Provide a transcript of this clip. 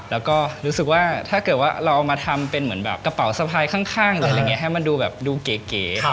แล้วก็รู้สึกว่าถ้าเกิดว่าเราเอามาทำเป็นเหมือนแบบกระเป๋าสะพายข้างหรืออะไรอย่างนี้ให้มันดูแบบดูเก๋